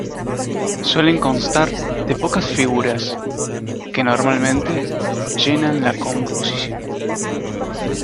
Suelen constar de pocas figuras, que normalmente llenan la composición.